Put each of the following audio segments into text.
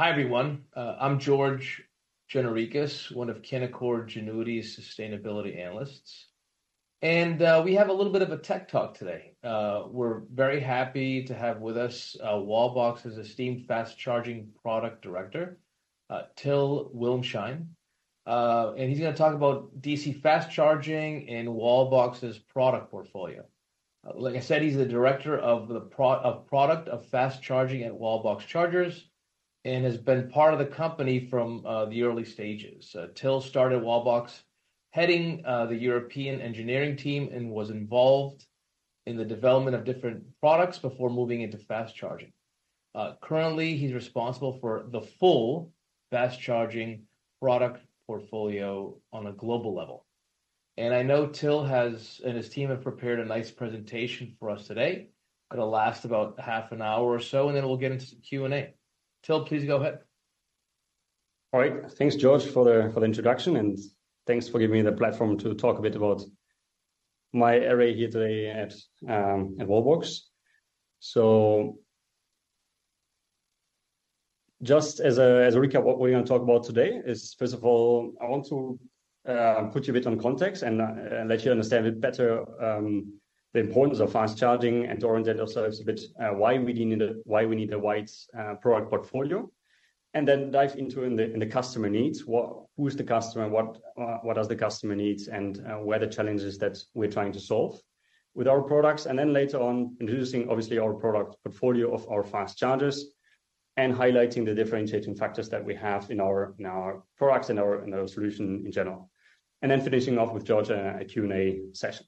Hi, everyone. I'm George Gianarikas, one of Canaccord Genuity's sustainability analysts, and we have a little bit of a tech talk today. We're very happy to have with us Wallbox's esteemed fast charging product director, Till Wilmschen. And he's gonna talk about DC fast charging and Wallbox's product portfolio. Like I said, he's the director of product for fast charging at Wallbox Chargers and has been part of the company from the early stages. Till started at Wallbox, heading the European engineering team and was involved in the development of different products before moving into fast charging. Currently, he's responsible for the full fast charging product portfolio on a global level. And I know Till has and his team have prepared a nice presentation for us today. It'll last about half an hour or so, and then we'll get into the Q&A. Till, please go ahead. All right. Thanks, George, for the introduction, and thanks for giving me the platform to talk a bit about my area here today at Wallbox. So just as a recap, what we're gonna talk about today is, first of all, I want to put you a bit on context and let you understand a bit better the importance of fast charging and to orient ourselves a bit why we need a wide product portfolio, and then dive into the customer needs. Who's the customer? What does the customer needs? And what are the challenges that we're trying to solve with our products. Then later on, introducing, obviously, our product portfolio of our fast chargers and highlighting the differentiating factors that we have in our, in our products, and our, and our solution in general. Then finishing off with George, a Q&A session.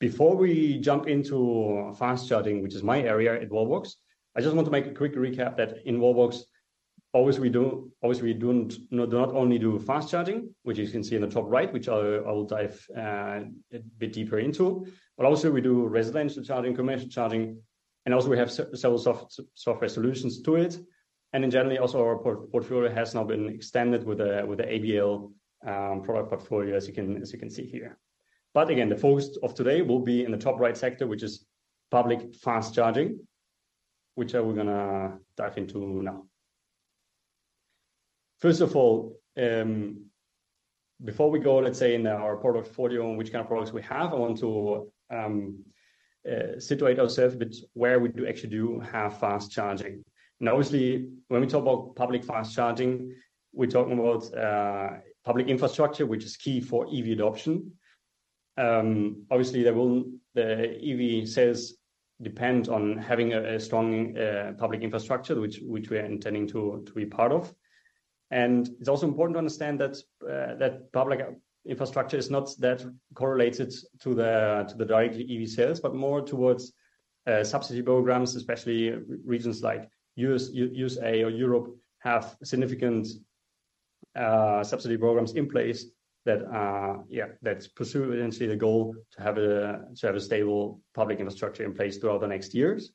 Before we jump into fast charging, which is my area at Wallbox, I just want to make a quick recap that in Wallbox, always we do—always, we do not only do fast charging, which you can see in the top right, which I will dive a bit deeper into. But also we do residential charging, commercial charging, and also we have several software solutions to it. And in general also, our portfolio has now been extended with the ABL product portfolio, as you can see here. But again, the focus of today will be in the top right sector, which is public fast charging, which we're gonna dive into now. First of all, before we go, let's say in our portfolio, on which kind of products we have, I want to situate ourselves, but where we do actually do have fast charging. Obviously, when we talk about public fast charging, we're talking about public infrastructure, which is key for EV adoption. Obviously, there will be. The EV sales depend on having a strong public infrastructure, which we are intending to be part of. It's also important to understand that public infrastructure is not that correlated to the directly EV sales, but more towards subsidy programs, especially regions like U.S. or Europe have significant subsidy programs in place that are, yeah, that's pursuing the goal to have a stable public infrastructure in place throughout the next years.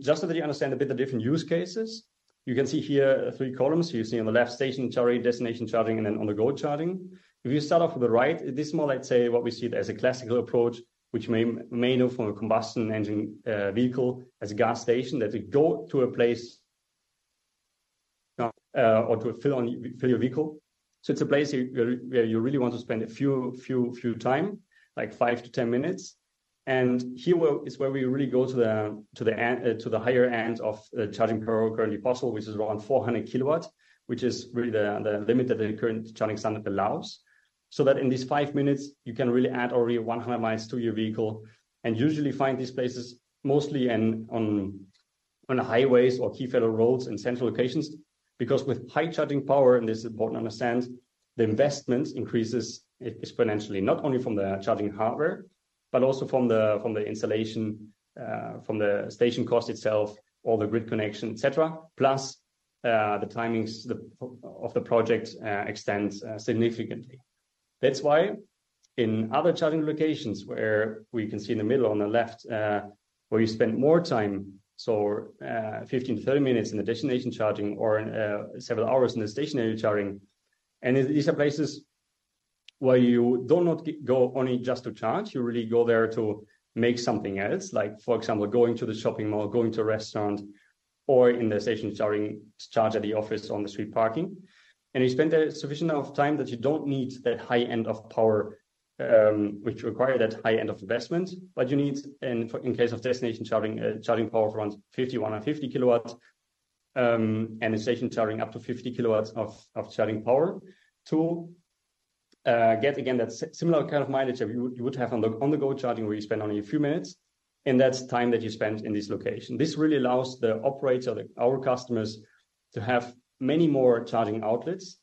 Just so that you understand a bit the different use cases, you can see here three columns. You see on the left, stationary charging, destination charging, and then on-the-go charging. If you start off with the right, this is more, let's say, what we see as a classical approach, which you may know from a combustion engine vehicle as a gas station, that you go to a place or to fill your vehicle. So it's a place where you really want to spend a few time, like five-10 minutes. And here is where we really go to the end, to the higher end of charging power currently possible, which is around 400 kW, which is really the limit that the current charging standard allows. So that in these five minutes, you can really add already 100 miles to your vehicle, and usually find these places mostly on the highways or key federal roads and central locations. Because with high charging power, and this is important to understand, the investment increases exponentially, not only from the charging hardware, but also from the installation, from the station cost itself or the grid connection, et cetera. Plus, the timings of the project extends significantly. That's why in other charging locations where we can see in the middle, on the left, where you spend more time, so, 15-30 minutes in the destination charging or in several hours in the stationary charging. And these are places where you do not go only just to charge, you really go there to make something else. Like, for example, going to the shopping mall, going to a restaurant, or in the stationary charging, to charge at the office on the street parking. And you spend a sufficient of time that you don't need that high end of power, which require that high end of investment. But you need, in case of destination charging, charging power around 50 kW-150 kW, and the station charging up to 50 kW of charging power to get again, that similar kind of mileage that you would have on the on-the-go charging, where you spend only a few minutes, and that's time that you spend in this location. This really allows the operator, our customers, to have many more charging outlets,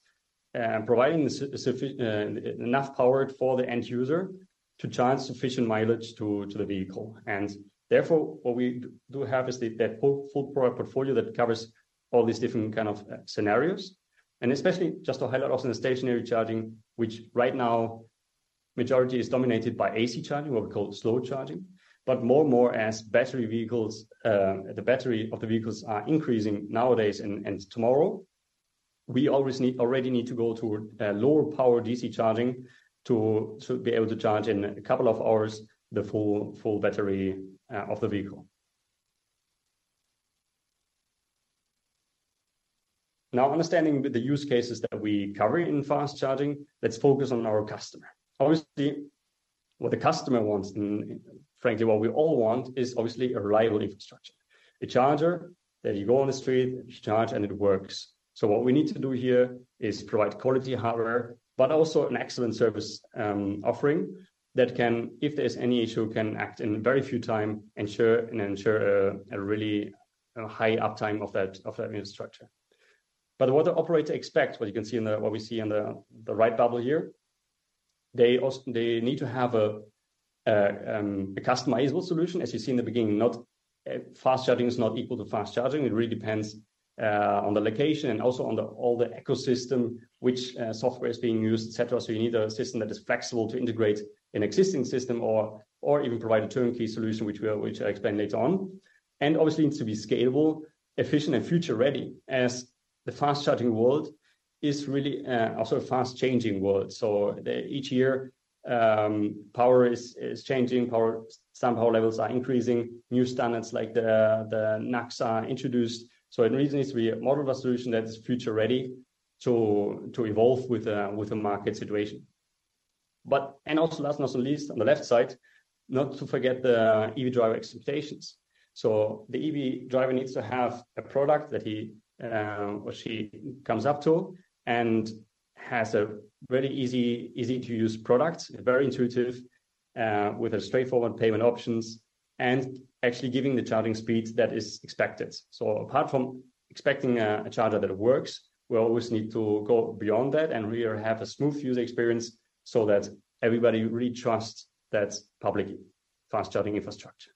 providing sufficient power for the end user to charge sufficient mileage to the vehicle. And therefore, what we do have is that full product portfolio that covers all these different kind of scenarios. And especially just to highlight also the stationary charging, which right now majority is dominated by AC charging or we call it slow charging. But more and more as battery vehicles, the battery of the vehicles are increasing nowadays and we always need, already need to go to lower power DC charging to be able to charge in a couple of hours the full battery of the vehicle. Now, understanding the use cases that we cover in fast charging, let's focus on our customer. Obviously, what the customer wants, and frankly, what we all want, is obviously a reliable infrastructure. A charger that you go on the street, you charge, and it works. So what we need to do here is provide quality hardware, but also an excellent service offering that can. If there's any issue, can act in very short time, ensure a really high uptime of that infrastructure. But what the operator expects, what you can see in the what we see on the right bubble here, they also need to have a customizable solution. As you see in the beginning, not fast charging is not equal to fast charging. It really depends on the location and also on all the ecosystem, which software is being used, et cetera. So you need a system that is flexible to integrate an existing system or even provide a turnkey solution, which I'll explain later on. And obviously needs to be scalable, efficient, and future-ready, as the fast charging world is really also a fast-changing world. So each year, power is changing, power. Some power levels are increasing. New standards like the NACS are introduced, so it really needs to be more of a solution that is future-ready to evolve with the market situation. And also, last not least, on the left side, not to forget the EV driver expectations. So the EV driver needs to have a product that he or she comes up to and has a very easy, easy-to-use product. Very intuitive with a straightforward payment options and actually giving the charging speed that is expected. So apart from expecting a charger that works, we always need to go beyond that and really have a smooth user experience so that everybody really trusts that public fast charging infrastructure.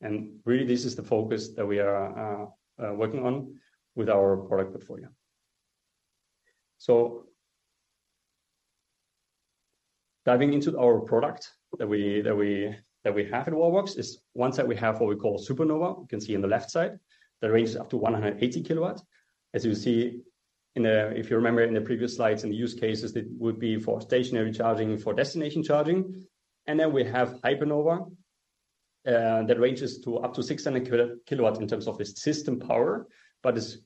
And really, this is the focus that we are working on with our product portfolio. So diving into our product that we have at Wallbox, is ones that we have what we call Supernova. You can see on the left side, that ranges up to 180 kW. As you see, if you remember in the previous slides, in the use cases, it would be for stationary charging and for destination charging. And then we have Hypernova, that ranges up to 600 kW in terms of its system power, but is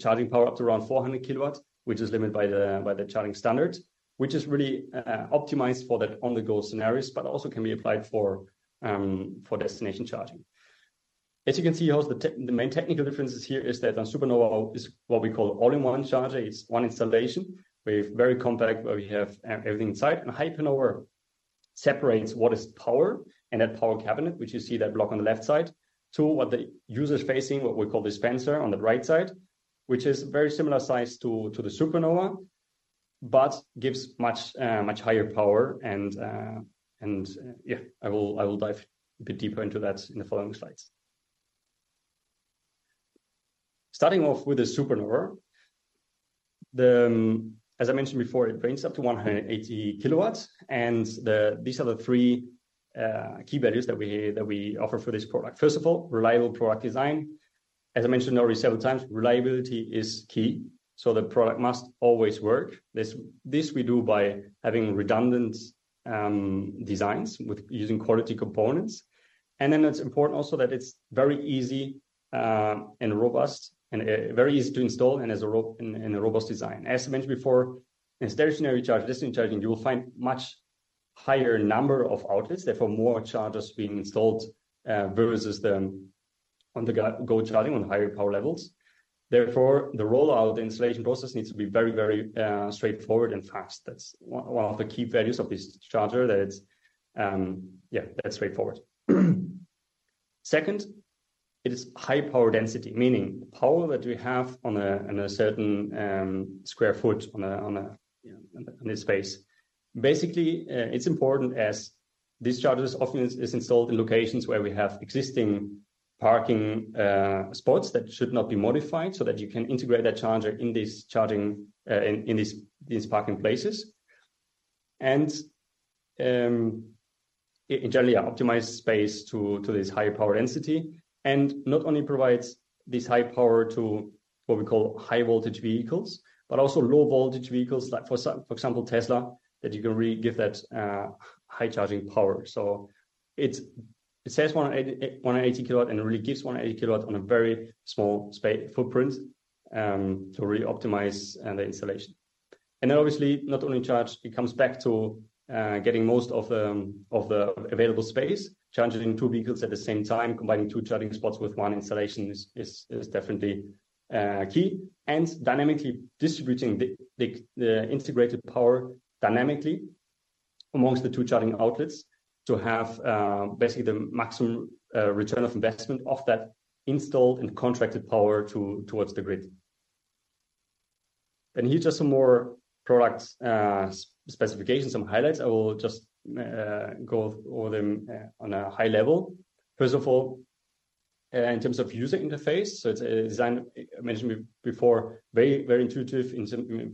charging power up to around 400 kW, which is limited by the charging standard. Which is really optimized for that on-the-go scenarios, but also can be applied for destination charging. As you can see here, the main technical differences here is that the Supernova is what we call all-in-one charger. It's one installation with very compact, where we have everything inside. And Hypernova separates what is power and that power cabinet, which you see that block on the left side, to what the user is facing, what we call the dispenser, on the right side, which is very similar size to the Supernova, but gives much, much higher power. And yeah, I will dive a bit deeper into that in the following slides. Starting off with the Supernova. The. As I mentioned before, it brings up to 180 kW, and these are the three key values that we offer for this product. First of all, reliable product design. As I mentioned already several times, reliability is key, so the product must always work. This we do by having redundant designs with using quality components. And then it's important also that it's very easy, and robust and, very easy to install and has a robust design. As mentioned before, in stationary charge, destination charging, you will find much higher number of outlets, therefore more chargers being installed, versus the on-the-go charging on higher power levels. Therefore, the rollout installation process needs to be very, very, straightforward and fast. That's one of the key values of this charger, that it's, yeah, that's straightforward. Second, it is high power density, meaning the power that we have on a certain square foot, on a space. Basically, it's important as these chargers often is installed in locations where we have existing parking spots that should not be modified, so that you can integrate that charger in these charging in these parking places. In general, optimize space to this higher power density, and not only provides this high power to what we call high voltage vehicles, but also low voltage vehicles, like for example, Tesla, that you can really give that high charging power. So it's... It says 180 kW, and it really gives 180 kW on a very small space footprint, to really optimize the installation. And then obviously, not only charge, it comes back to getting most of the available space, charging two vehicles at the same time. Combining two charging spots with one installation is definitely key. And dynamically distributing the integrated power dynamically amongst the two charging outlets to have basically the maximum return of investment of that installed and contracted power towards the grid. And here are just some more product specifications, some highlights. I will just go over them on a high level. First of all, in terms of user interface, so the design I mentioned before, very, very intuitive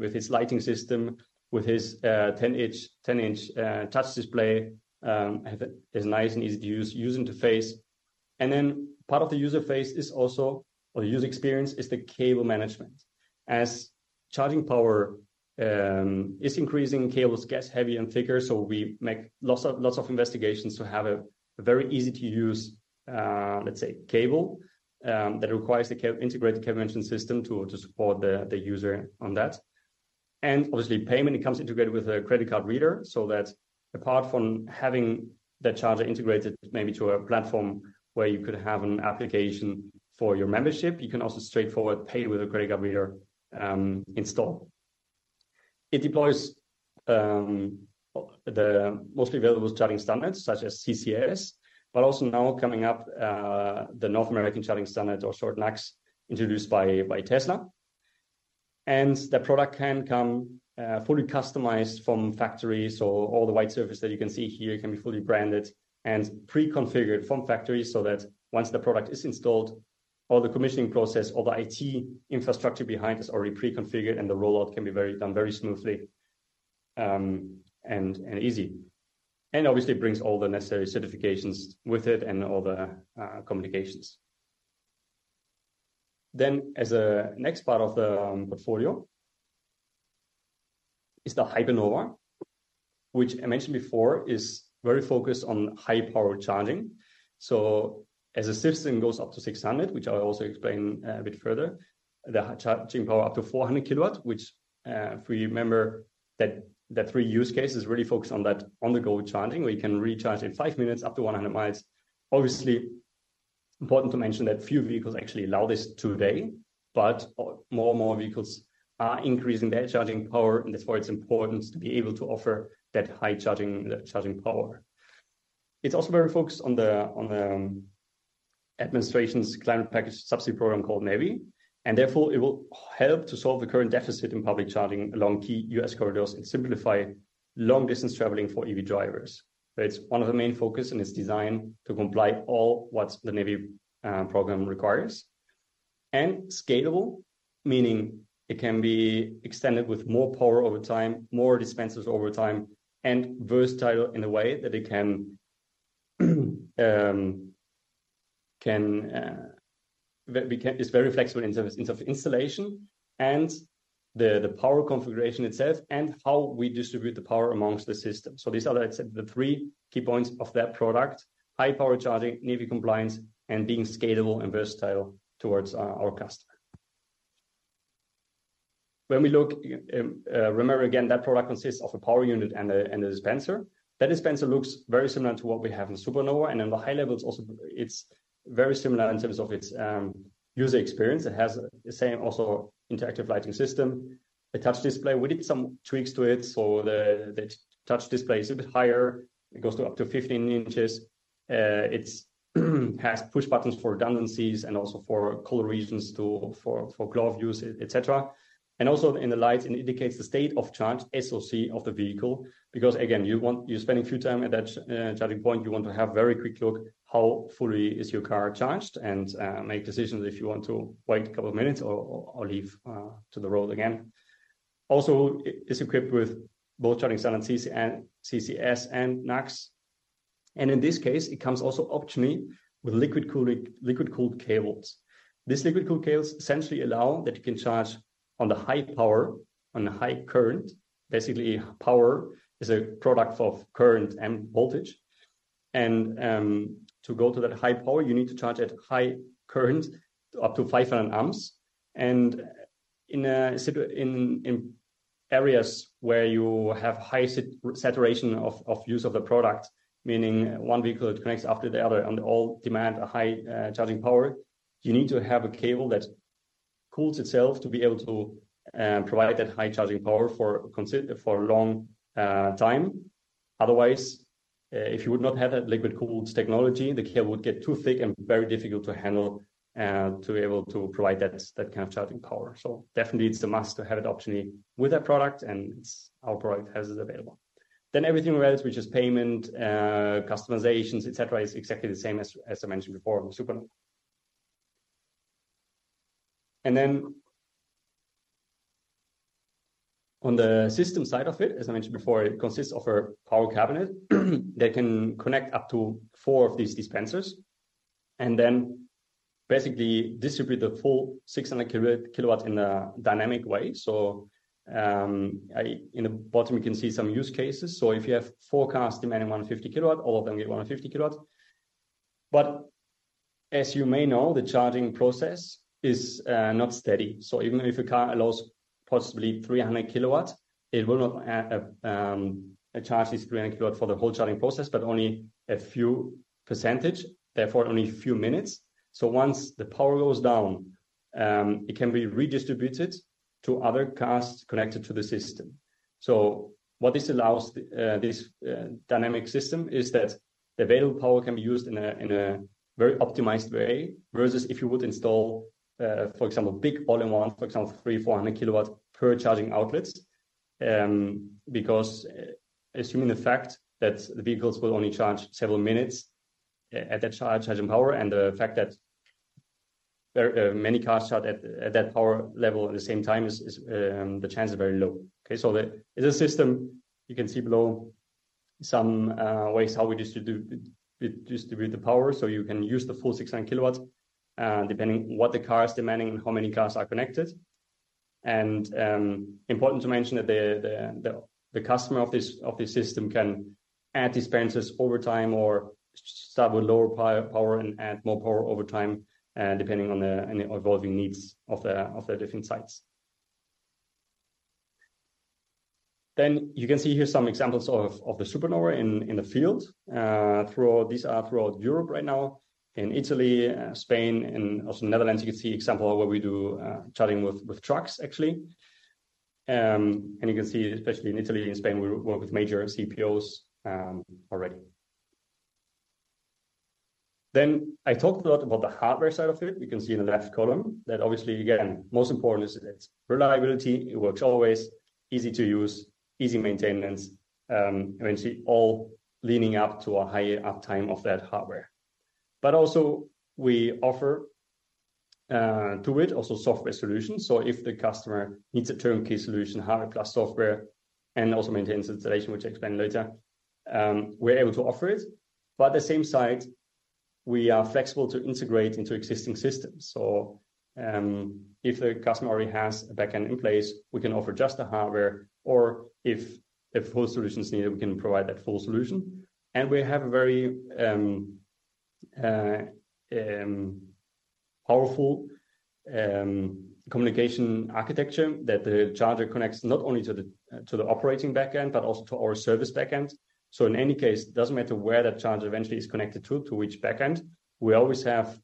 with its lighting system, with its 10-inch touch display, is nice and easy to use, user interface. And then part of the user phase is also, or the user experience, is the cable management. As charging power is increasing, cables gets heavy and thicker, so we make lots of investigations to have a very easy-to-use, let's say, cable that requires the cable-integrated cable management system to support the user on that. And obviously, payment, it comes integrated with a credit card reader, so that apart from having that charger integrated maybe to a platform where you could have an application for your membership, you can also straightforward pay with a credit card reader installed. It deploys the mostly available charging standards, such as CCS, but also now coming up the North American Charging Standard, or short NACS, introduced by Tesla. The product can come fully customized from factories, so all the white surface that you can see here can be fully branded and pre-configured from factory, so that once the product is installed, all the commissioning process, all the IT infrastructure behind is already pre-configured and the rollout can be done very smoothly, and easy. Obviously brings all the necessary certifications with it and all the communications. Then, as a next part of the portfolio, is the Hypernova, which I mentioned before, is very focused on high-power charging. So as the system goes up to 600, which I'll also explain a bit further, the charging power up to 400 kW, which, if we remember that three use case is really focused on that on-the-go charging, where you can recharge in five minutes up to 100 miles. Obviously, important to mention that few vehicles actually allow this today, but more and more vehicles are increasing their charging power, and that's why it's important to be able to offer that high charging power. It's also very focused on the administration's climate package subsidy program called NEVI, and therefore, it will help to solve the current deficit in public charging along key U.S. corridors and simplify long-distance traveling for EV drivers. So it's one of the main focus, and it's designed to comply all what the NEVI program requires. Scalable, meaning it can be extended with more power over time, more dispensers over time, and versatile in a way that it can be. It's very flexible in terms of installation and the power configuration itself and how we distribute the power among the system. So these are, I'd say, the three key points of that product: high power charging, NEVI compliance, and being scalable and versatile towards our customer. When we look, remember, again, that product consists of a power unit and a dispenser. That dispenser looks very similar to what we have in Supernova, and on the high levels also, it's very similar in terms of its user experience. It has the same also interactive lighting system, a touch display. We did some tweaks to it, so the touch display is a bit higher. It goes up to 15 inches. It has push buttons for redundancies and also for color regions for glove use, et cetera. And also in the light, it indicates the state of charge, SoC, of the vehicle, because again, you want- you're spending a few time at that charging point, you want to have very quick look how fully is your car charged, and make decisions if you want to wait a couple of minutes or, or, or leave to the road again. Also, it is equipped with both charging standards, CCS and NACS, and in this case, it comes also optionally with liquid cooling, liquid-cooled cables. These liquid-cooled cables essentially allow that you can charge on the high power, on the high current. Basically, power is a product of current and voltage. And to go to that high power, you need to charge at high current, up to 500 amps. And in areas where you have high saturation of use of the product, meaning one vehicle connects after the other and all demand a high charging power, you need to have a cable that cools itself to be able to provide that high charging power for a long time. Otherwise, if you would not have that liquid-cooled technology, the cable would get too thick and very difficult to handle to be able to provide that kind of charging power. So definitely it's a must to have it optionally with that product, and our product has it available. Then everything else, which is payment, customizations, et cetera, is exactly the same as I mentioned before, with Supernova. Then, on the system side of it, as I mentioned before, it consists of a power cabinet that can connect up to four of these dispensers, and then basically distribute the full 600 kW in a dynamic way. In the bottom, you can see some use cases. So if you have four cars demanding 150 kW, all of them get 150 kW. But as you may know, the charging process is not steady. So even if a car allows possibly 300 kW, it will not charge this 300 kW for the whole charging process, but only a few percent, therefore, only a few minutes. Once the power goes down, it can be redistributed to other cars connected to the system. So what this allows, this dynamic system, is that the available power can be used in a very optimized way, versus if you would install, for example, a big all-in-one, for example, 300 kW-400 kW per charging outlets. Because assuming the fact that the vehicles will only charge several minutes at that charging power, and the fact that very many cars charged at that power level at the same time, the chance is very low. Okay, so in the system, you can see below some ways how we distribute the power, so you can use the full 600 kW, depending what the car is demanding and how many cars are connected. Important to mention that the customer of this system can add dispensers over time or start with lower power and add more power over time, depending on the evolving needs of the different sites. Then you can see here some examples of the Supernova in the field. These are throughout Europe right now, in Italy, Spain, and also Netherlands. You can see example of where we do charging with trucks, actually. And you can see, especially in Italy and Spain, we work with major CPOs already. Then I talked a lot about the hardware side of it. You can see in the left column that obviously, again, most important is its reliability. It works always, easy to use, easy maintenance, eventually all leading up to a higher uptime of that hardware. But also we offer to it also software solutions. So if the customer needs a turnkey solution, hardware plus software, and also maintains installation, which I'll explain later, we're able to offer it. But at the same side, we are flexible to integrate into existing systems. So if the customer already has a back end in place, we can offer just the hardware or if a full solution is needed, we can provide that full solution. And we have a very powerful communication architecture that the charger connects not only to the operating back end, but also to our service back end. So in any case, it doesn't matter where that charger eventually is connected to, to which back end, we always have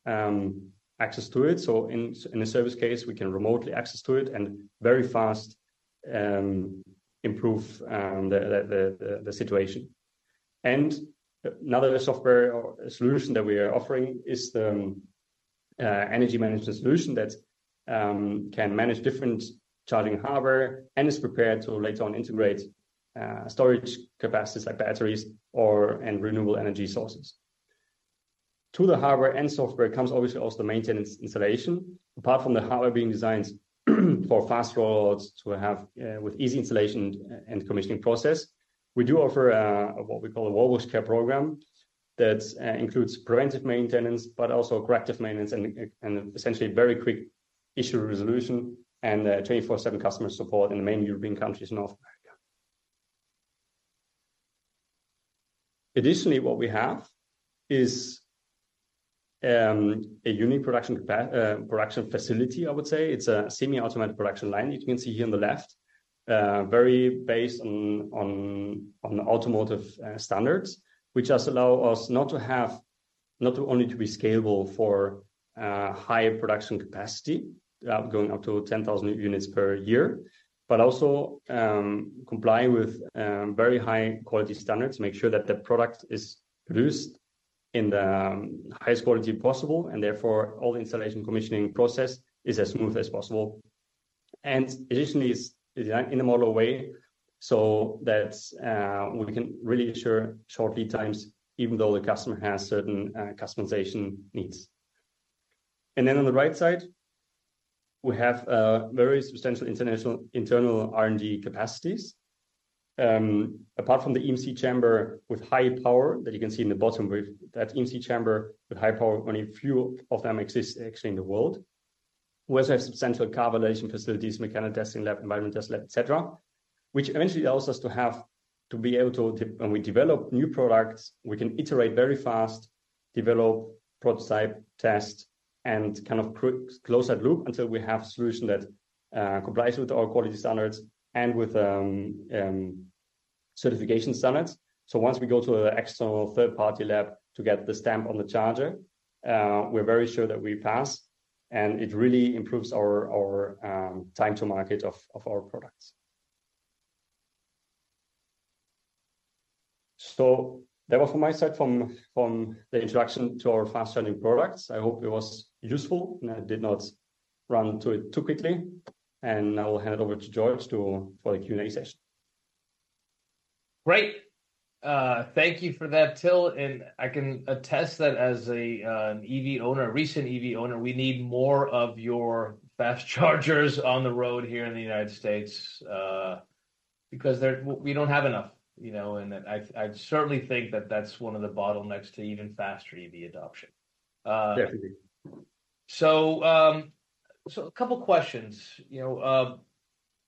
access to it. So in a service case, we can remotely access to it and very fast improve the situation. And another software or solution that we are offering is the energy management solution that can manage different charging hardware and is prepared to later on integrate storage capacities like batteries or and renewable energy sources. To the hardware and software comes obviously also the maintenance installation. Apart from the hardware being designed for fast rollouts to have, with easy installation and commissioning process, we do offer, what we call a Wallbox Care Program that, includes preventive maintenance, but also corrective maintenance and essentially very quick issue resolution and, 24/7 customer support in the main European countries and North America. Additionally, what we have is, a unique production facility, I would say. It's a semi-automatic production line that you can see here on the left. Very based on automotive standards, which just allow us not to have... not to only to be scalable for high production capacity going up to 10,000 units per year, but also comply with very high quality standards, make sure that the product is produced in the highest quality possible, and therefore, all the installation commissioning process is as smooth as possible. Additionally, it's designed in a modular way, so that we can really ensure short lead times, even though the customer has certain customization needs. Then on the right side, we have a very substantial international internal R&D capacities. Apart from the EMC chamber with high power that you can see in the bottom left, that EMC chamber with high power, only a few of them exist actually in the world. We also have substantial calibration facilities, mechanical testing lab, environmental test lab, et cetera, which eventually allows us to have... to be able to, when we develop new products, we can iterate very fast, develop, prototype, test, and kind of close that loop until we have a solution that complies with our quality standards and with certification standards. So once we go to an external third-party lab to get the stamp on the charger, we're very sure that we pass, and it really improves our time to market of our products. So that was from my side, from the introduction to our fast charging products. I hope it was useful, and I did not run to it too quickly. And I will hand it over to George for the Q&A session. Great. Thank you for that, Till, and I can attest that as a, an EV owner, a recent EV owner, we need more of your fast chargers on the road here in the United States, because we don't have enough, you know. And I certainly think that that's one of the bottlenecks to even faster EV adoption. Definitely. So, a couple questions. You know,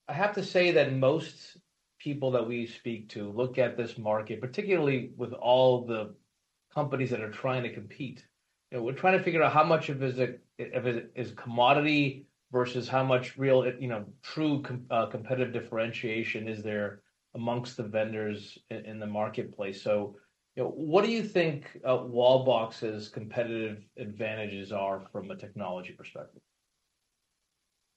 I have to say that most people that we speak to look at this market, particularly with all the companies that are trying to compete, and we're trying to figure out how much of it is commodity versus how much real, you know, true competitive differentiation is there amongst the vendors in the marketplace. So, what do you think, Wallbox's competitive advantages are from a technology perspective?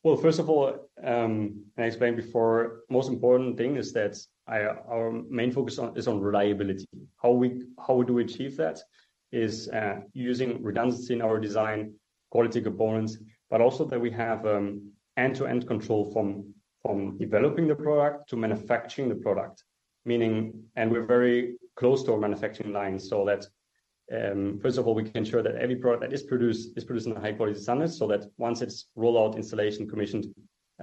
Well, first of all, and I explained before, most important thing is that our main focus on, is on reliability. How we, how do we achieve that is, using redundancy in our design, quality components, but also that we have, end-to-end control from developing the product to manufacturing the product. Meaning, and we're very close to our manufacturing line, so that, first of all, we can ensure that every product that is produced is produced in a high-quality standard, so that once it's rolled out, installation, commissioned,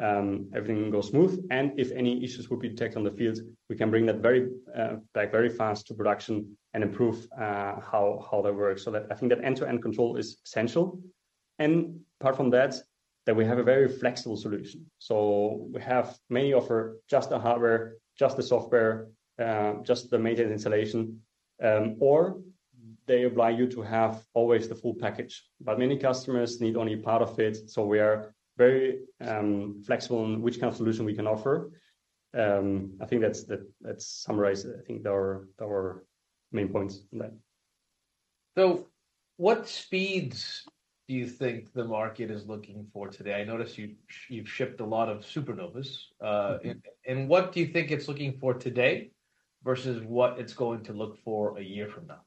everything goes smooth. And if any issues will be detected on the field, we can bring that very back very fast to production and improve how that works. So that I think that end-to-end control is essential. And apart from that, that we have a very flexible solution. So we have many offer, just the hardware, just the software, just the maintenance installation, or they oblige you to have always the full package. But many customers need only a part of it, so we are very flexible in which kind of solution we can offer. I think that's that summarize, I think, our main points on that. So what speeds do you think the market is looking for today? I noticed you, you've shipped a lot of Supernovas. And what do you think it's looking for today versus what it's going to look for a year from now?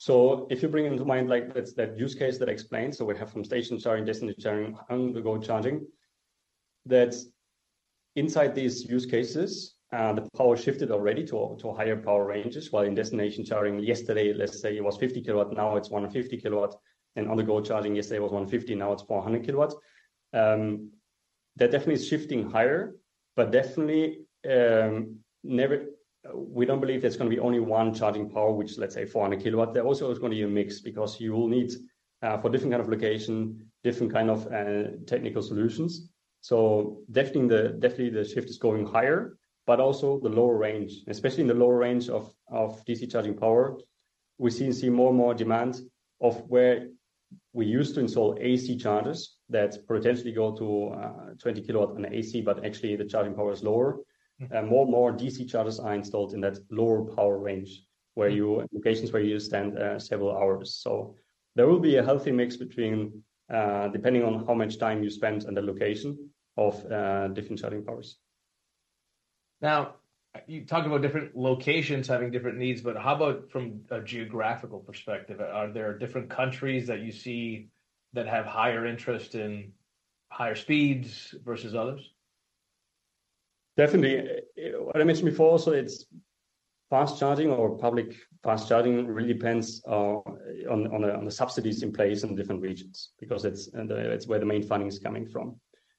So if you bring into mind like that, that use case that I explained, so we have from station charging, destination charging, on-the-go charging, that inside these use cases, the power shifted already to higher power ranges. While in destination charging yesterday, let's say it was 50 kW, now it's 150 kW, and on-the-go charging yesterday was 150, now it's 400 kW. That definitely is shifting higher, but definitely never, we don't believe there's gonna be only one charging power, which, let's say 400 kW. There also is gonna be a mix because you will need for different kind of location, different kind of technical solutions. Definitely the shift is going higher, but also the lower range, especially in the lower range of DC charging power, we see more and more demand of where we used to install AC chargers that potentially go to 20 kW on AC, but actually the charging power is lower. More DC chargers are installed in that lower power range, locations where you stand several hours. So there will be a healthy mix between, depending on how much time you spend on the location of, different charging powers. Now, you talked about different locations having different needs, but how about from a geographical perspective? Are there different countries that you see that have higher interest in higher speeds versus others? Definitely. What I mentioned before, so it's fast charging or public fast charging, really depends on the subsidies in place in different regions, because it's where the main funding is coming from.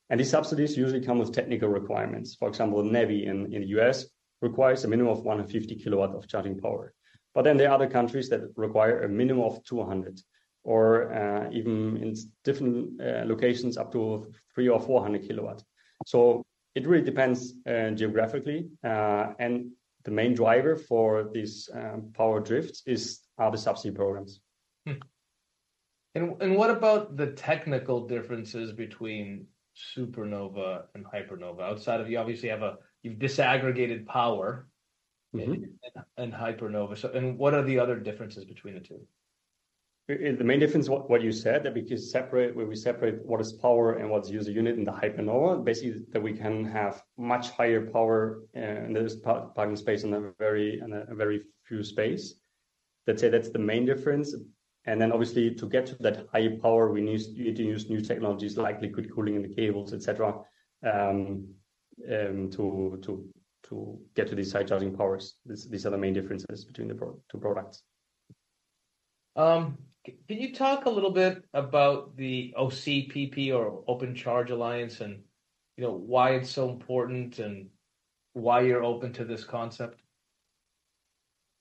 And these subsidies usually come with technical requirements. For example, NEVI in the US requires a minimum of 150 kW of charging power. But then there are other countries that require a minimum of 200 or even in different locations, up to 300 or 400 kW. So it really depends geographically. And the main driver for these power outputs is the subsidy programs. And what about the technical differences between Supernova and Hypernova? Outside of, you obviously have, you've disaggregated power-... and Hypernova. So, what are the other differences between the two? The main difference, what you said, that because we separate what is power and what is user unit in the Hypernova, basically, that we can have much higher power in this parking space on a very few space. Let's say that's the main difference. And then obviously, to get to that higher power, we need to use new technologies like liquid cooling in the cables, et cetera, to get to these high charging powers. These are the main differences between the two products. Can you talk a little bit about the OCPP or Open Charge Alliance and, you know, why it's so important and why you're open to this concept?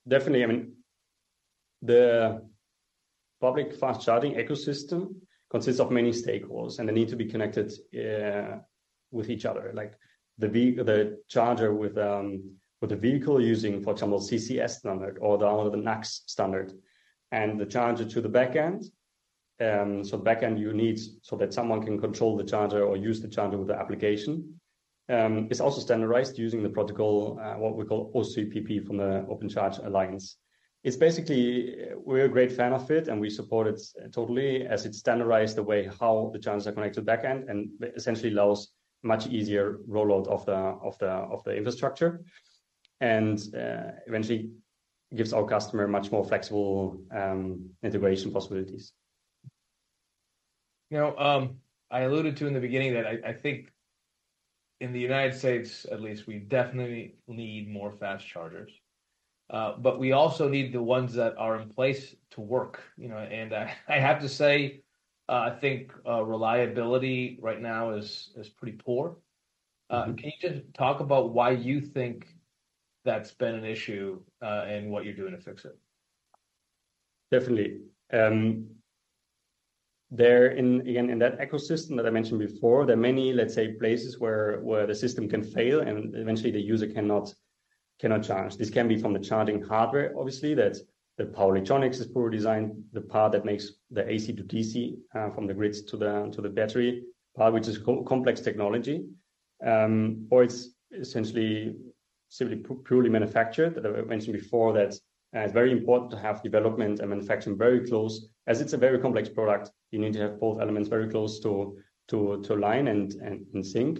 Definitely. I mean, the public fast charging ecosystem consists of many stakeholders, and they need to be connected with each other. Like the charger with the vehicle using, for example, CCS standard or the NACS standard and the charger to the back end. So back end, you need so that someone can control the charger or use the charger with the application. It's also standardized using the protocol what we call OCPP from the Open Charge Alliance. It's basically... We're a great fan of it, and we support it totally as it standardized the way how the chargers are connected to back end, and essentially allows much easier rollout of the infrastructure. Eventually gives our customer much more flexible integration possibilities. You know, I alluded to in the beginning that I think in the United States at least, we definitely need more fast chargers. But we also need the ones that are in place to work, you know. I have to say, I think reliability right now is pretty poor. Can you just talk about why you think that's been an issue, and what you're doing to fix it? Definitely. There, in again, in that ecosystem that I mentioned before, there are many, let's say, places where the system can fail and eventually the user cannot charge. This can be from the charging hardware, obviously, that the power electronics is poorly designed, the part that makes the AC to DC from the grids to the battery part, which is complex technology. Or it's essentially simply poorly manufactured. That I mentioned before that it's very important to have development and manufacturing very close. As it's a very complex product, you need to have both elements very close to align and in sync.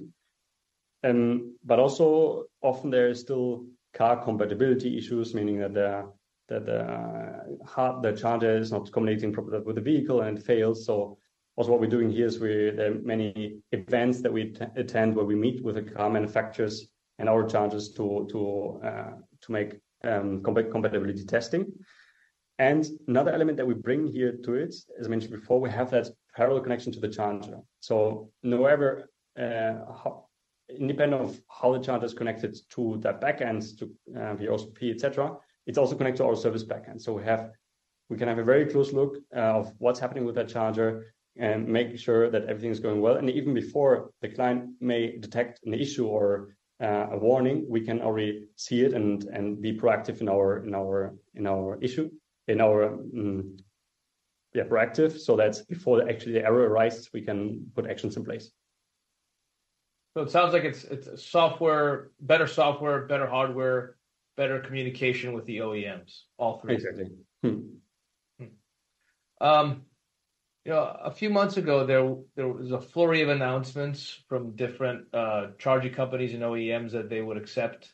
But also, often there is still car compatibility issues, meaning that the charger is not communicating properly with the vehicle and fails. So what we're doing here is we... There are many events that we attend, where we meet with the car manufacturers and our chargers to make compatibility testing, and another element that we bring here to it, as I mentioned before, we have that parallel connection to the charger. So wherever independent of how the charger is connected to that back end, to the CPO, et cetera, it's also connected to our service back end. So we can have a very close look of what's happening with that charger and make sure that everything is going well. And even before the client may detect an issue or a warning, we can already see it and be proactive in our issue, proactive. So that's before actually the error arises, we can put actions in place. So it sounds like it's a software, better software, better hardware, better communication with the OEMs. All three. Exactly. Hmm. You know, a few months ago, there was a flurry of announcements from different charging companies and OEMs that they would accept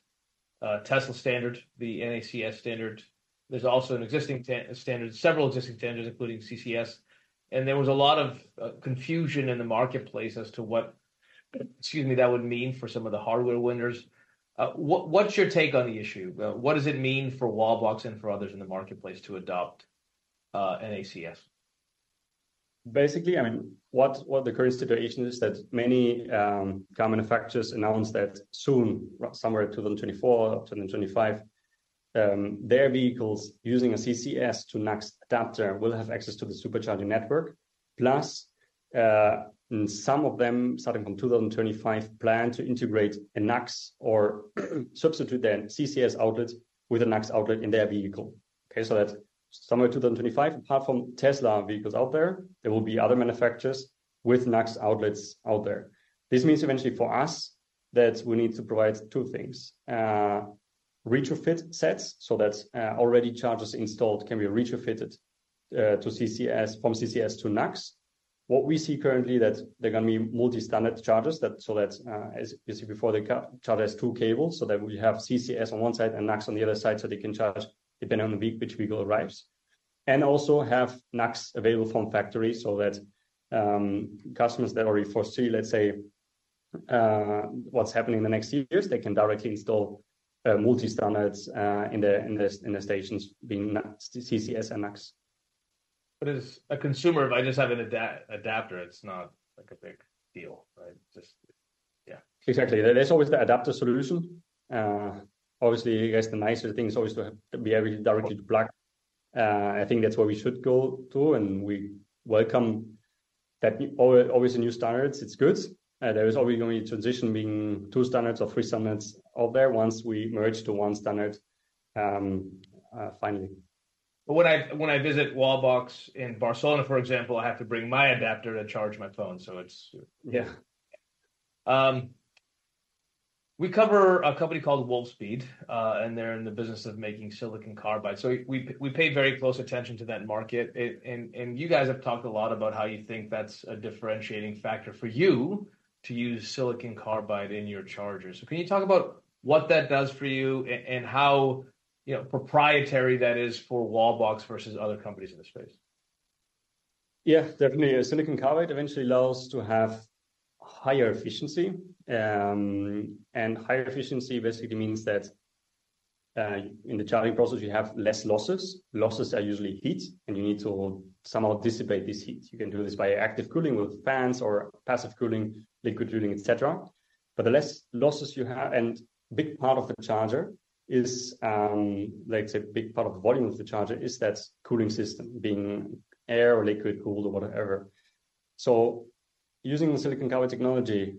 Tesla standard, the NACS standard. There's also an existing standard, several existing standards, including CCS, and there was a lot of confusion in the marketplace as to what, excuse me, that would mean for some of the hardware winners. What's your take on the issue? What does it mean for Wallbox and for others in the marketplace to adopt NACS? Basically, I mean, what the current situation is that many car manufacturers announced that soon, somewhere in 2024 or 2025, their vehicles using a CCS to NACS adapter will have access to the Supercharging network. Plus, some of them, starting from 2025, plan to integrate a NACS or substitute their CCS outlet with a NACS outlet in their vehicle. Okay, so that's somewhere in 2025, apart from Tesla vehicles out there, there will be other manufacturers with NACS outlets out there. This means eventually for us, that we need to provide two things: retrofit sets, so that already chargers installed can be retrofitted from CCS to NACS. What we see currently, that there are gonna be multi-standard chargers so that, as you see before, the car charger has two cables, so that we have CCS on one side and NACS on the other side, so they can charge depending on the vehicle, which vehicle arrives. And also have NACS available from factory, so that customers that already foresee, let's say, what's happening in the next few years, they can directly install multi-standards in the stations being NACS to CCS and NACS. But as a consumer, if I just have an adapter, it's not like a big deal, right? Just, yeah. Exactly. There's always the adapter solution. Obviously, I guess the nicer thing is always to be able to directly plug. I think that's where we should go to, and we welcome that always a new standards, it's good. There is always going to be transition between two standards or three standards out there once we merge to one standard, finally. But when I, when I visit Wallbox in Barcelona, for example, I have to bring my adapter to charge my phone, so it's... Yeah. We cover a company called Wolfspeed, and they're in the business of making silicon carbide. So we pay very close attention to that market. And you guys have talked a lot about how you think that's a differentiating factor for you to use silicon carbide in your chargers. So can you talk about what that does for you and how, you know, proprietary that is for Wallbox versus other companies in the space? Yeah, definitely. Silicon carbide eventually allows to have higher efficiency. Higher efficiency basically means that, in the charging process, you have less losses. Losses are usually heat, and you need to somehow dissipate this heat. You can do this by active cooling with fans or passive cooling, liquid cooling, et cetera. But the less losses you have... A big part of the charger is, let's say, a big part of the volume of the charger is that cooling system being air or liquid cooled or whatever. So using the silicon carbide technology,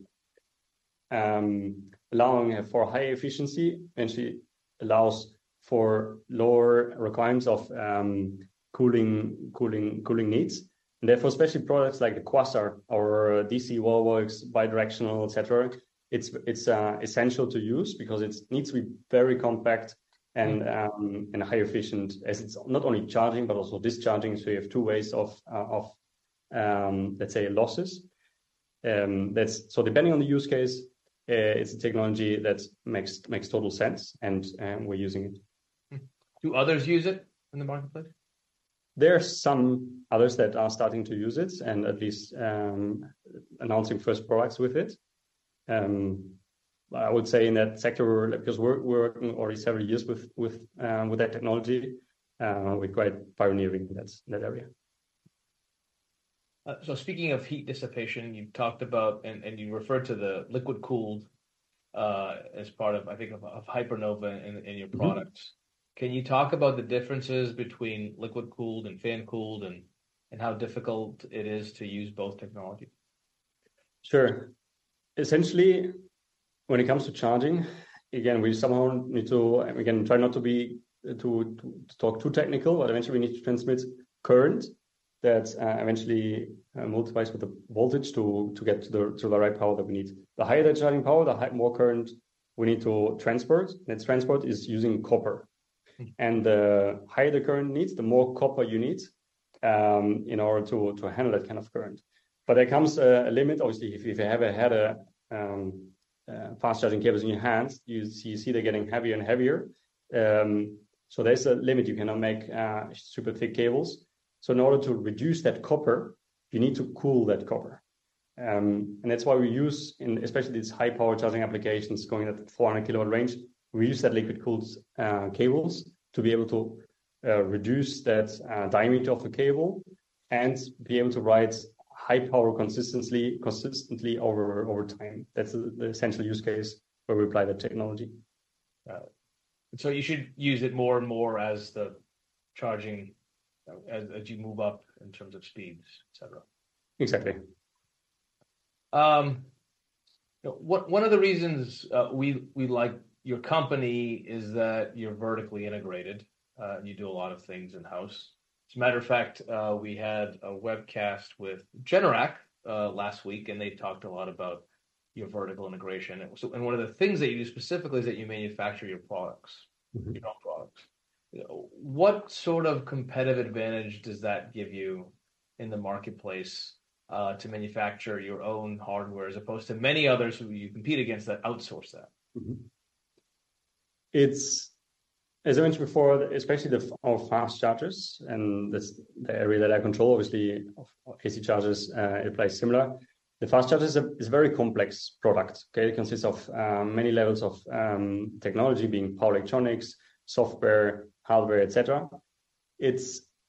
allowing for high efficiency, eventually allows for lower requirements of, cooling needs. Therefore, especially products like Quasar or DC Wallbox, bidirectional, et cetera, it's essential to use because it needs to be very compact and high efficient as it's not only charging but also discharging. So you have two ways of, let's say, losses. That's so depending on the use case, it's a technology that makes total sense, and we're using it. Do others use it in the marketplace? There are some others that are starting to use it, and at least announcing first products with it. I would say in that sector, because we're working already several years with that technology, we're quite pioneering in that area. Speaking of heat dissipation, you talked about, and you referred to the liquid-cooled as part of, I think, of Hypernova in your products. Can you talk about the differences between liquid-cooled and fan-cooled, and how difficult it is to use both technology? Sure. Essentially, when it comes to charging, again, we somehow need to again try not to be too technical, but eventually, we need to transmit current that eventually multiplies with the voltage to get to the right power that we need. The higher the charging power, the more current we need to transport, and transport is using copper. The higher the current needs, the more copper you need in order to handle that kind of current. But there comes a limit. Obviously, if you ever had fast-charging cables in your hands, you see they're getting heavier and heavier. So there's a limit. You cannot make super thick cables. So in order to reduce that copper, you need to cool that copper. And that's why we use especially in these high power charging applications going at 400 kW range, we use that liquid-cooled cables to be able to reduce that diameter of the cable and be able to ride high power consistently over time. That's the essential use case where we apply that technology. So you should use it more and more as you move up in terms of speeds, et cetera? Exactly. One of the reasons we like your company is that you're vertically integrated and you do a lot of things in-house. As a matter of fact, we had a webcast with Generac last week, and they talked a lot about your vertical integration. So and one of the things that you do specifically is that you manufacture your products- -your own products. What sort of competitive advantage does that give you in the marketplace, to manufacture your own hardware, as opposed to many others who you compete against that outsource that?. It's as I mentioned before, especially our fast chargers, and that's the area that I control. Obviously, AC chargers, it applies similar. The fast chargers is a very complex product, okay? It consists of many levels of technology being power electronics, software, hardware, et cetera.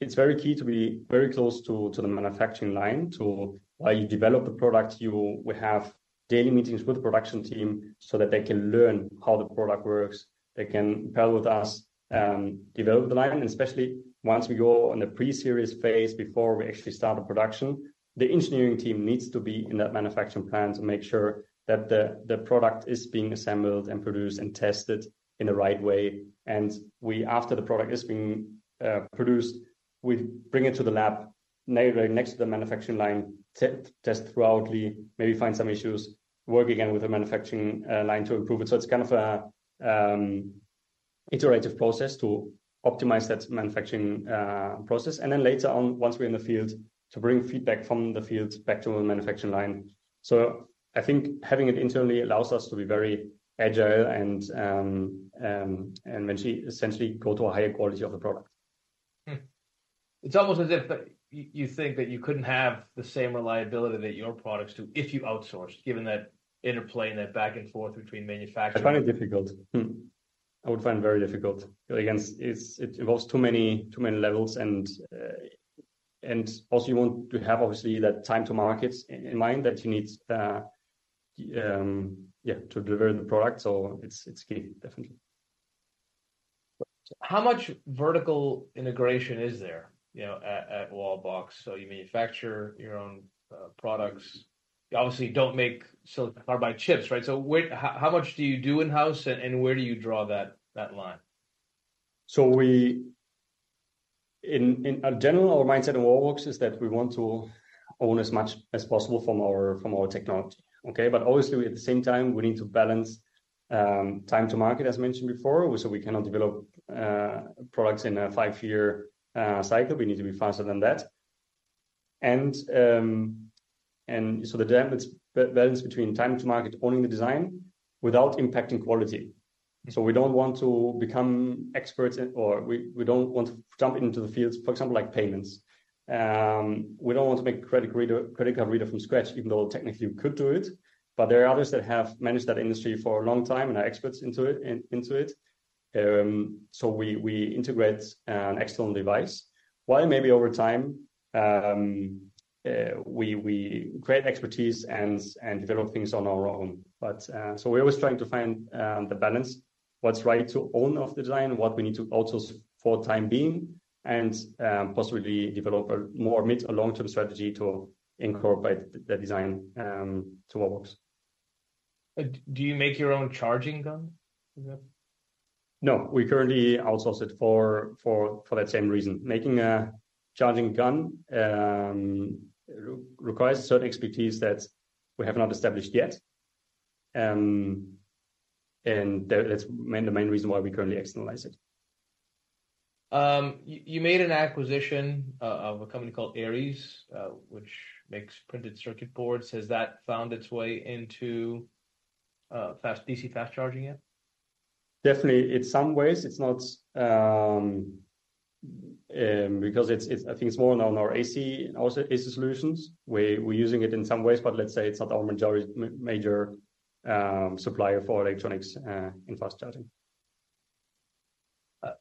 It's very key to be very close to the manufacturing line. To while you develop the product, you would have daily meetings with the production team so that they can learn how the product works. They can pair with us, develop the line, and especially once we go on a pre-series phase, before we actually start the production, the engineering team needs to be in that manufacturing plant to make sure that the product is being assembled and produced and tested in the right way. After the product is being produced, we bring it to the lab, neighboring next to the manufacturing line, test thoroughly, maybe find some issues, work again with the manufacturing line to improve it. So it's kind of a iterative process to optimize that manufacturing process, and then later on, once we're in the field, to bring feedback from the field back to the manufacturing line. So I think having it internally allows us to be very agile and eventually essentially go to a higher quality of the product. It's almost as if that you think that you couldn't have the same reliability that your products do if you outsourced, given that interplay and that back and forth between manufacturing. I find it difficult. I would find very difficult. Again, it's. It involves too many, too many levels and, and also you want to have obviously that time to market in mind that you need to deliver the product. So it's, it's key, definitely. How much vertical integration is there, you know, at Wallbox? So you manufacture your own products. You obviously don't make silicon carbide chips, right? So where, how much do you do in-house, and where do you draw that line? In general, our mindset in Wallbox is that we want to own as much as possible from our technology, okay? But obviously at the same time, we need to balance time to market, as mentioned before. So we cannot develop products in a five-year cycle. We need to be faster than that. And so the balance between time to market, owning the design without impacting quality. So we don't want to become experts or we don't want to jump into the fields, for example, like payments. We don't want to make a credit reader, credit card reader from scratch, even though technically we could do it, but there are others that have managed that industry for a long time and are experts in it. So we integrate an external device, while maybe over time, we create expertise and develop things on our own. We're always trying to find the balance, what's right to own of the design, what we need to outsource for the time being, and possibly develop a more mid- to long-term strategy to incorporate the design to Wallbox. Do you make your own charging gun? Yeah. No, we currently outsource it for that same reason. Making a charging gun requires a certain expertise that we have not established yet. That's the main reason why we currently externalize it. You made an acquisition of a company called ABL, which makes printed circuit boards. Has that found its way into DC fast charging yet? Definitely, in some ways, it's not, because it's, I think it's more on our AC, also AC solutions. We're using it in some ways, but let's say it's not our majority supplier for electronics in fast charging.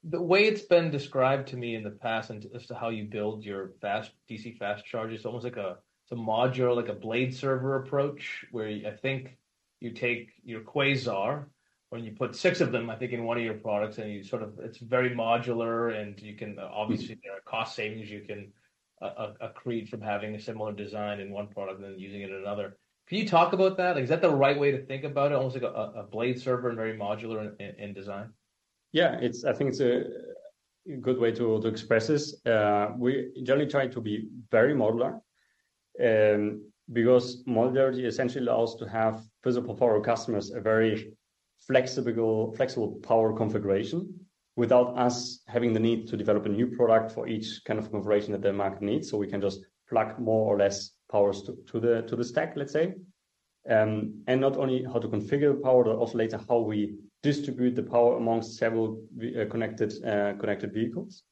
The way it's been described to me in the past and as to how you build your fast-DC fast chargers, it's almost like a, it's a modular, like a blade server approach, where you- I think you take your Quasar, and you put 6 of them, I think, in one of your products, and you sort of... It's very modular, and you can- Obviously, there are cost savings you can accrete from having a similar design in one product and then using it in another. Can you talk about that? Is that the right way to think about it, almost like a blade server and very modular in design? Yeah, I think it's a good way to express this. We generally try to be very modular, because modularity essentially allows to have physical power customers a very flexible power configuration without us having the need to develop a new product for each kind of configuration that the market needs. So we can just plug more or less power to the stack, let's say. And not only how to configure the power but also later how we distribute the power amongst several connected vehicles.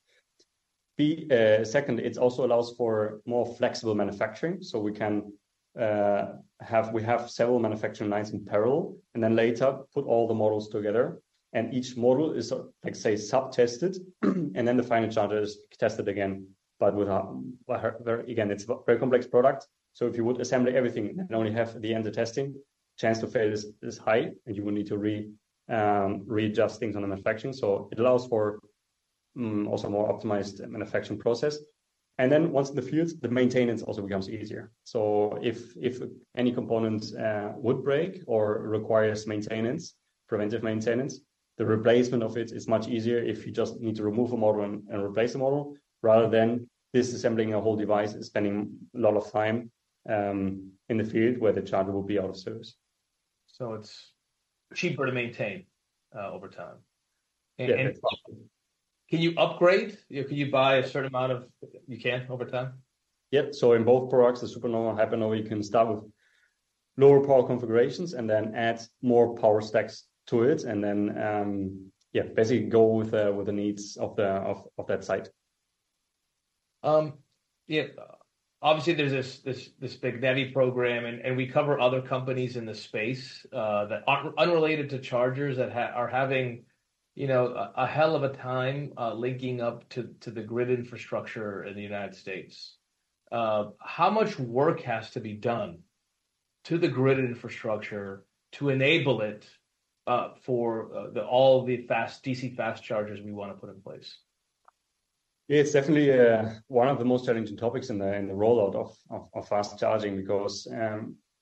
Secondly, it also allows for more flexible manufacturing, so we can, we have several manufacturing lines in parallel, and then later put all the models together, and each model is, like, say, sub-tested, and then the final charger is tested again, but with, well, very again, it's a very complex product. So if you would assemble everything and only have at the end the testing, chance to fail is high, and you will need to readjust things on the manufacturing. So it allows for also more optimized manufacturing process. And then once in the fields, the maintenance also becomes easier. If any component would break or requires maintenance, preventive maintenance, the replacement of it is much easier if you just need to remove a model and replace the model, rather than disassembling a whole device and spending a lot of time in the field where the charger will be out of service. So it's cheaper to maintain over time? Yeah. Can you upgrade? Or can you buy a certain amount of... You can, over time? Yep. So in both products, the Supernova and Hypernova, you can start with lower power configurations and then add more power stacks to it, and then, yeah, basically go with the needs of that site. Yeah. Obviously, there's this big NEVI program, and we cover other companies in the space that are unrelated to chargers that are having, you know, a hell of a time linking up to the grid infrastructure in the United States. How much work has to be done to the grid infrastructure to enable it for all the DC fast chargers we want to put in place? It's definitely one of the most challenging topics in the rollout of fast charging, because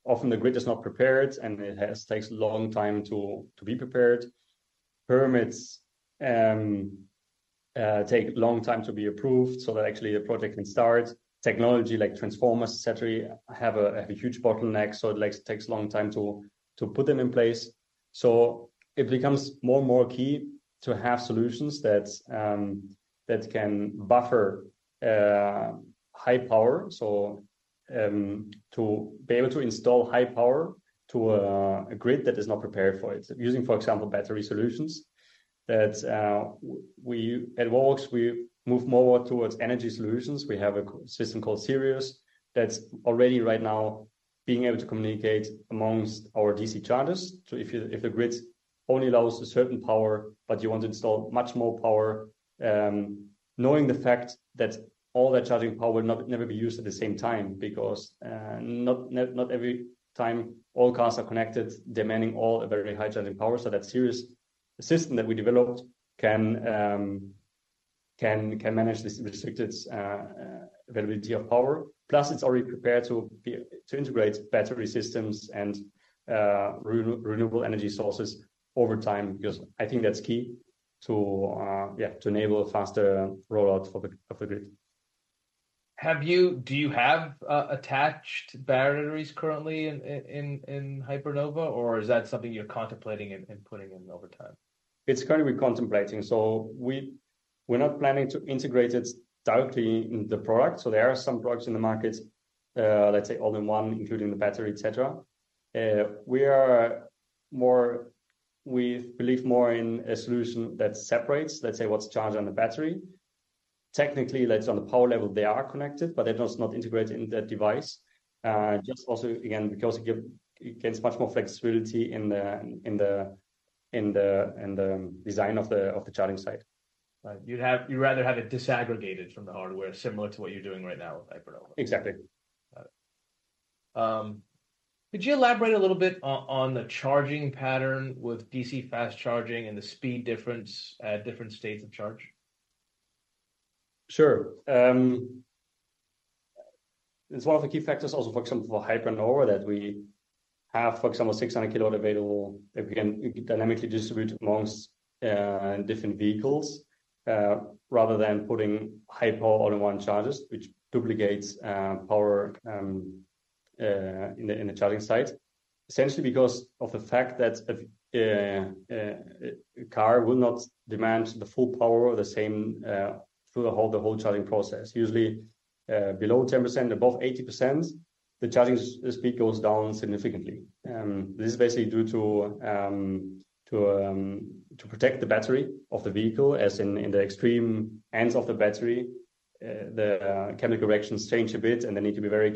often the grid is not prepared, and it takes a long time to be prepared. Permits take a long time to be approved so that actually a project can start. Technology, like transformers, et cetera, have a huge bottleneck, so it takes a long time to put them in place. So it becomes more and more key to have solutions that can buffer high power. So to be able to install high power to a grid that is not prepared for it, using, for example, battery solutions. That we at Wallbox, we move more towards energy solutions. We have a system called Sirius, that's already right now being able to communicate amongst our DC chargers. So if the grid only allows a certain power, but you want to install much more power, knowing the fact that all that charging power will never be used at the same time, because not every time all cars are connected, demanding all a very, very high charging power. So that Sirius system that we developed can manage this restricted availability of power. Plus, it's already prepared to integrate battery systems and renewable energy sources over time, because I think that's key to enable faster rollout for the of the grid. Do you have attached batteries currently in Hypernova? Or is that something you're contemplating and putting in over time? It's currently we're contemplating, so we're not planning to integrate it directly in the product. So there are some products in the market, let's say all-in-one, including the battery, et cetera. We are more... We believe more in a solution that separates, let's say, what's charged on the battery. Technically, that's on the power level, they are connected, but they're just not integrated in that device. Just also, again, because it gets much more flexibility in the design of the charging site. Right. You'd rather have it disaggregated from the hardware, similar to what you're doing right now with Hypernova? Exactly. Got it. Could you elaborate a little bit on the charging pattern with DC fast charging and the speed difference at different states of charge? Sure. It's one of the key factors also, for example, for Hypernova, that we have, for example, 600 kW available that we can dynamically distribute among different vehicles, rather than putting high power all-in-one chargers, which duplicates power in the charging site. Essentially, because of the fact that a car will not demand the full power or the same through the whole charging process. Usually, below 10%, above 80%, the charging speed goes down significantly. This is basically due to protect the battery of the vehicle, as in the extreme ends of the battery, the chemical reactions change a bit, and they need to be very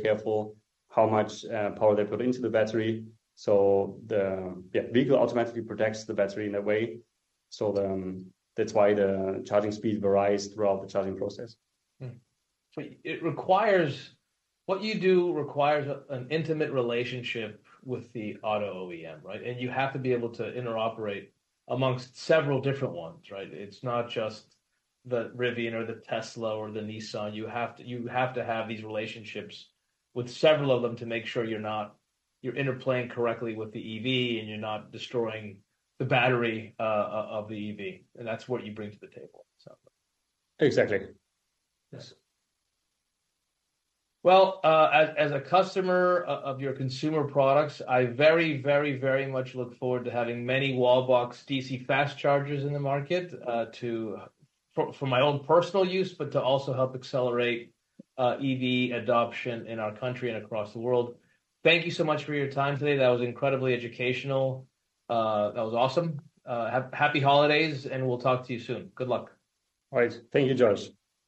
careful how much power they put into the battery. So, yeah, the vehicle automatically protects the battery in a way. So, that's why the charging speed varies throughout the charging process. So it requires what you do requires an intimate relationship with the auto OEM, right? And you have to be able to interoperate amongst several different ones, right? It's not just the Rivian or the Tesla or the Nissan. You have to have these relationships with several of them to make sure you're interplaying correctly with the EV, and you're not destroying the battery of the EV, and that's what you bring to the table, so. Exactly. Yes. Well, as a customer of your consumer products, I very, very, very much look forward to having many Wallbox DC fast chargers in the market, to for my own personal use, but to also help accelerate EV adoption in our country and across the world. Thank you so much for your time today. That was incredibly educational. That was awesome. Happy holidays, and we'll talk to you soon. Good luck. All right. Thank you, George.